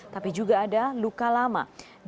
tapi juga ada luka lama